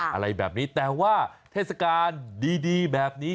อะไรแบบนี้แต่ว่าเทศกาลดีแบบนี้